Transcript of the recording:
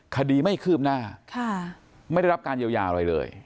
คดีไม่คืบหน้าไม่ได้รับการเยียวยาอะไรเลย